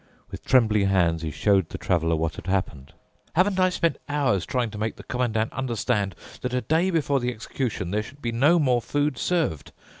With trembling hands he showed the Traveler what had happened. "Haven't I spent hours trying to make the Commandant understand that a day before the execution there should be no more food served.